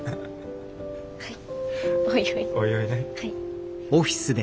はい。